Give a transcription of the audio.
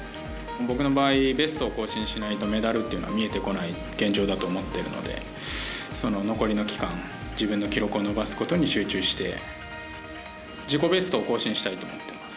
僕の場合はベストを更新しないとメダルっていうのは見えてこない現状だと思っているので残りの期間、自分の記録を伸ばすことに集中して自己ベストを更新したいと思ってます。